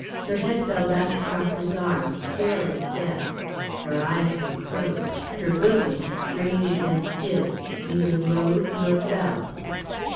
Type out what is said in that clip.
Her head fell back across his arm, pale as death; her eyes were closed; her bosom, strained against his, neither rose nor fell.